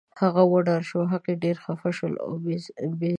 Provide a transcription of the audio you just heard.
هغه وډار شو، هغوی ډېر خفه شول، اوبې سړې شوې